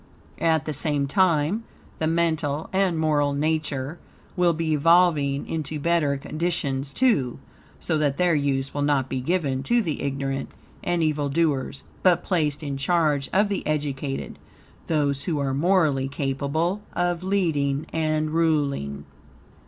At the same time, the mental and moral nature will be evolving into better conditions, too, so that their use will not be given to the ignorant and evildoers, but placed in charge of the educated, those who are morally capable of leading and ruling.